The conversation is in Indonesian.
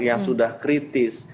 yang sudah kritis